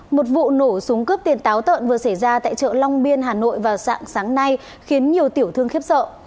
một vụ nổ súng cướp tiền táo tợn vừa xảy ra tại chợ long biên hà nội vào sáng sáng nay khiến nhiều tiểu thương khiếp sợ